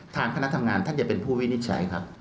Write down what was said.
คณะทำงานท่านจะเป็นผู้วินิจฉัยครับ